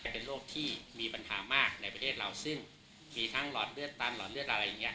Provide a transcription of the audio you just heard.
เป็นโรคที่มีปัญหามากในประเทศเราซึ่งมีทั้งหลอดเลือดตันหลอดเลือดอะไรอย่างเงี้